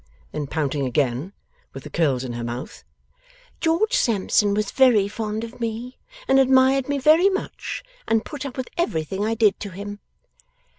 Then, pouting again, with the curls in her mouth; 'George Sampson was very fond of me, and admired me very much, and put up with everything I did to him.